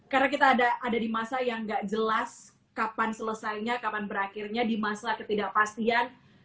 karena kita ada di masa yang gak jelas kapan selesainya kapan berakhirnya di masa ketidakpastian